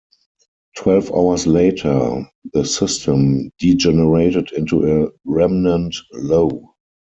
Twelve hours later, the system degenerated into a remnant low.